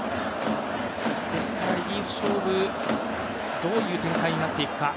ですからリリーフ勝負、どういう展開になっていくか。